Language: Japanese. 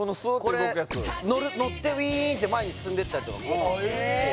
これ乗ってウィーンって前に進んでったりとか・えっ